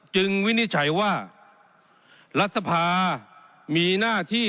วินิจฉัยว่ารัฐสภามีหน้าที่